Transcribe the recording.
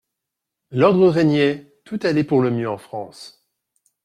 L'ordre régnait, tout allait pour le mieux en France.